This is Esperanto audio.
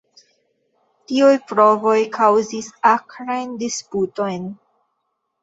Tiuj provoj kaŭzis akrajn disputojn.